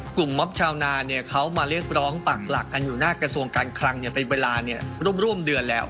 กลุ่มมอบชาวนาเนี่ยเขามาเรียกร้องปากหลักกันอยู่หน้ากระทรวงการคลังเนี่ยเป็นเวลาเนี่ยร่วมเดือนแล้ว